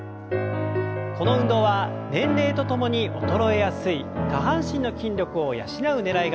この運動は年齢とともに衰えやすい下半身の筋力を養うねらいがあります。